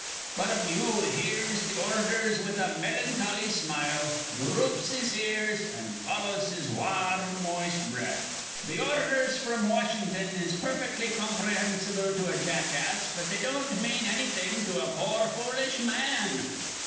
But a mule hears th' ordhers with a melancholy smile, dhroops his ears, an' follows his war rm, moist breath. Th' ordhers fr'm Washin'ton is perfectly comprehinsible to a jackass, but they don't mane annything to a poor, foolish man.